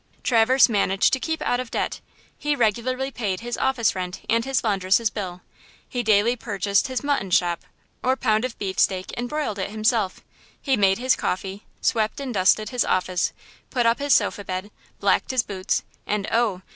Traverse managed to keep out of debt; he regularly paid his office rent and his laundress' bill; he daily purchased his mutton shop or pound of beefsteak and broiled it himself; he made his coffee, swept and dusted his office, put up his sofa bed, blacked his boots; and oh!